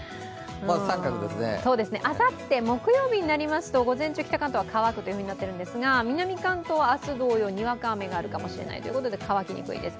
あさって木曜日になりますと午前中、北関東は乾くとなっていますが南関東は明日同様にわか雨があるかもしれないということで乾きにくいです。